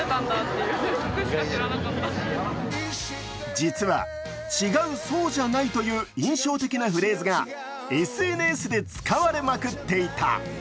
実は「違う、そうじゃない」という印象的なフレーズがＳＮＳで使われまくっていた。